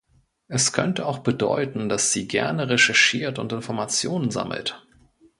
Es könnte auch bedeuten, dass sie gerne recherchiert und Informationen sammelt.